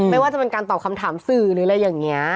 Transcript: ไม่ว่าจะเป็นการตอบคำถามสื่อหรืออะไรอย่างนี้